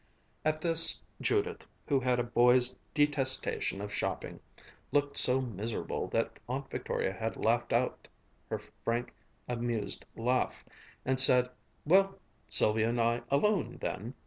At this, Judith, who had a boy's detestation of shopping, looked so miserable that Aunt Victoria had laughed out, her frank, amused laugh, and said, "Well, Sylvia and I alone, then!"